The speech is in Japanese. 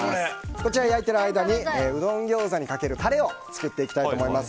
こちら焼いている間にうどんギョーザにかけるタレを作っていきたいと思います。